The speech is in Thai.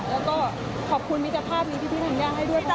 แล้วก็ขอบคุณมิตรภาพนี้ที่พี่ธัญญาให้ด้วยค่ะ